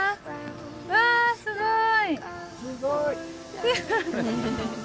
うわー、すごーい。